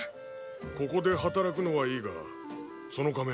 ここで働くのはいいがその仮面